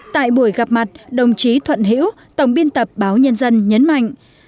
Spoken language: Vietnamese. tại buổi gặp mặt đồng chí thuận hiễu tổng biên tập báo nhân dân nhấn mạnh